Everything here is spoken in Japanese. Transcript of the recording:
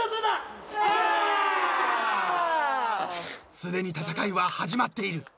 ［すでに戦いは始まっている］